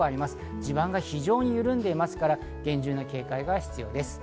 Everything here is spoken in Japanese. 地盤が非常に緩んでいるので厳重な警戒が必要です。